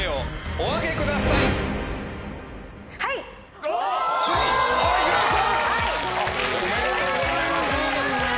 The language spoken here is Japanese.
おめでとうございます。